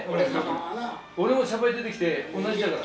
俺も娑婆へ出てきて同じだから。